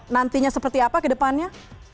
nantinya seperti apa ke depannya